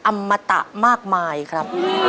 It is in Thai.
อมตะมากมายครับ